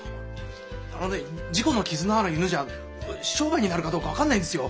あのね事故の傷のある犬じゃ商売になるかどうか分かんないんですよ。